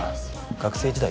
学生時代